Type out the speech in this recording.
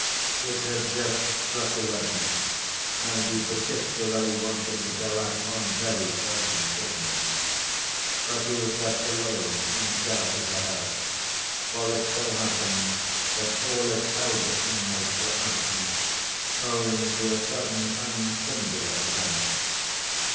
It had just struck eleven, and he particularly wanted to go out "on very urgent business," but he was left alone in charge of the house, for it so happened that all its elder inmates were absent owing to a sudden and singular event.